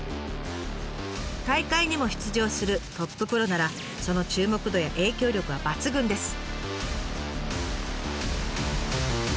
大会にも出場するトッププロならその注目度や影響力は抜群です。